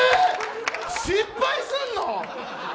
失敗すんの？